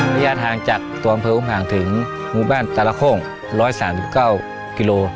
พยายามทางจากตัวอำเภออุ่มห่างถึงมุมบ้านตลาคม๑๓๙กิโล